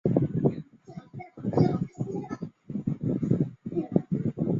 采访大联盟新闻。